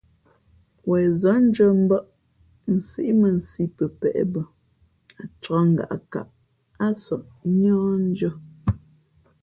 Wen nzᾱndʉ̄ᾱ mbα̌ʼ, nsíʼ mᾱ nsǐ pəpēʼ bᾱ, ncǎk ngaʼkaʼ ǎ sᾱʼ níάh ndʉ̄ᾱ.